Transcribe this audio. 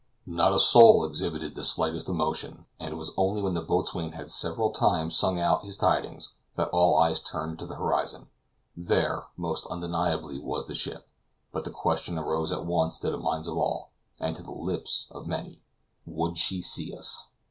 Not a soul exhibited the slightest emotion, and it was only when the boatswain had several times sung out his tidings that all eyes turned to the horizon. There, most undeniably, was the ship, but the question rose at once to the minds of all, and to the lips of many, "Would she see us?"